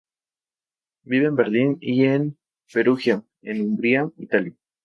Vive en Berlín y en Perugia, en Umbria, Italia.